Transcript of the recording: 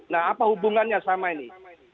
nah apa hubungannya sama ini